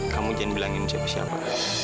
kamu jangan bilangin siapa siapa